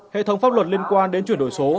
hệ thống pháp luật liên quan đến chuyển đổi số